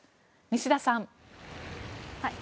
西田さん。